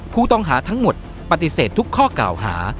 ผู้ต้องหาทั้งหมดปฏิเสธทุกข้อกล่าวหา